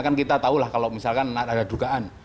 kan kita tahu lah kalau misalkan ada dugaan